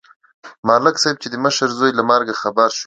ملک صاحب چې د مشر زوی له مرګه خبر شو.